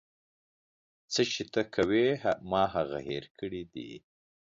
څه چې ته کوې ما هغه هير کړي دي.